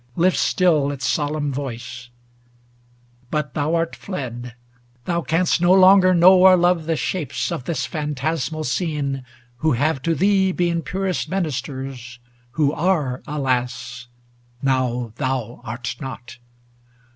Lifts still its solemn voice : ŌĆö but thou art fled ŌĆö Thou canst no longer know or love the shapes Of this phantasmal scene, who have to thee Been purest ministers, who are, alas ! Now thou art not